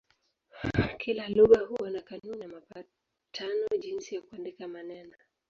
Kila lugha huwa na kanuni na mapatano jinsi ya kuandika maneno.